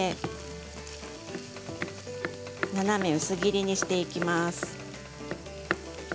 斜め薄切りにしていきます。